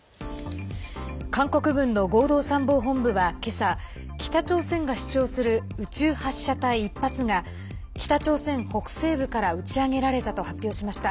韓国軍の合同参謀本部は今朝、北朝鮮が主張する宇宙発射体１発が北朝鮮北西部から打ち上げられたと発表しました。